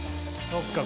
そっか